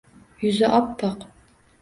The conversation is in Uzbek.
Yuzi op-poq